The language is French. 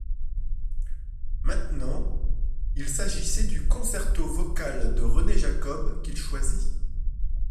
Maintenant, il s'agissait du Concerto vocale de René Jacobs qu'il choisit.